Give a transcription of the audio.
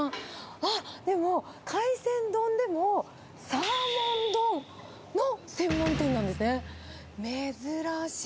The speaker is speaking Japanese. あっ、でも、海鮮丼でもサーモン丼の専門店なんですね。